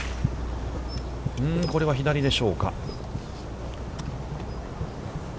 これは左でしょうか。